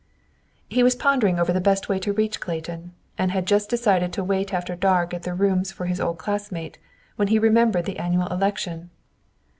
He was pondering over the best way to reach Clayton, and had just decided to wait after dark at the rooms for his old class mate, when he remembered the annual election.